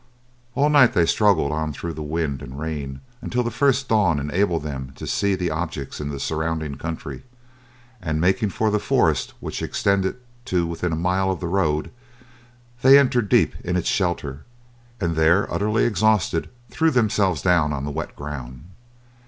All night they struggled on through wind and rain until the first dawn enabled them to see the objects in the surrounding country; and making for the forest which extended to within a mile of the road, they entered deep into its shelter, and there utterly exhausted, threw themselves down on the wet ground.